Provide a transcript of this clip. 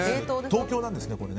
東京なんですね、これ。